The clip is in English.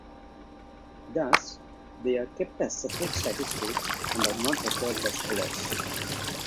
Thus they are kept as separate statistics and are not recorded as errors.